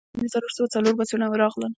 څو دانې څلور سوه څلور بسونه راغلل.